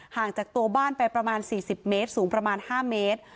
ห่างจากตัวบ้านไปประมาณ๔๐เมตรสูงประมาณ๕เมตร